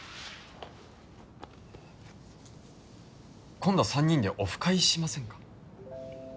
今度３人でオフ会しませんか？